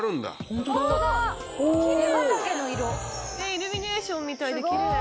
イルミネーションみたいできれい。